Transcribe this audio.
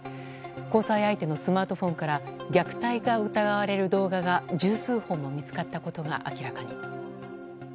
交際相手のスマートフォンから虐待が疑われる動画が十数本も見つかったことが明らかに。